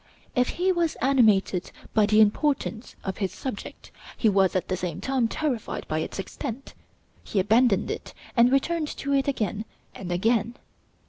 If he was animated by the importance of his subject, he was at the same time terrified by its extent. He abandoned it, and returned to it again and again.